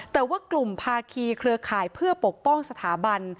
แต่ว่ากลุ่มภาคีเครือข่ายเพื่อปกป้องสถาบัน